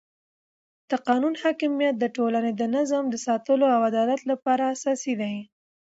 د قانون حاکمیت د ټولنې د نظم د ساتلو او عدالت لپاره اساسي دی